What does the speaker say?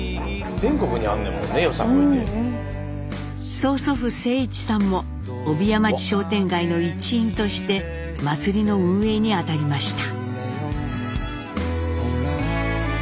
曽祖父静一さんも帯屋町商店街の一員として祭りの運営にあたりました。